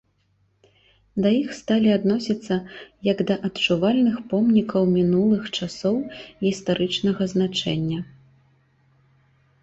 Да іх сталі адносіцца як да адчувальных помнікаў мінулых часоў гістарычнага значэння.